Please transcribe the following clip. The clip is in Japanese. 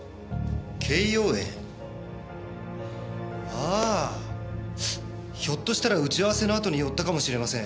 ああひょっとしたら打ち合わせのあとに寄ったかもしれません。